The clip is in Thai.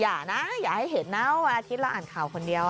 อย่านะอย่าให้เห็นนะวันอาทิตย์เราอ่านข่าวคนเดียว